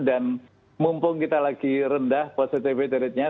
dan mumpung kita lagi rendah positivity rate nya